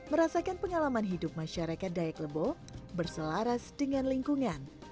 merasakan pengalaman hidup masyarakat dayak lebo berselaras dengan lingkungan